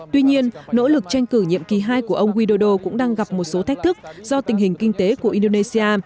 tuy nhiên nỗ lực tranh cử nhiệm kỳ hai của ông widodo cũng đang gặp một số thách thức do tình hình kinh tế của indonesia